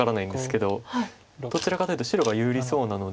どちらかというと白が有利そうなので。